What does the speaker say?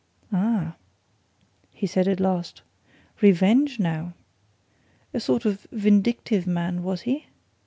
"Ah!" he said at last. "Revenge, now? A sort of vindictive man, was he?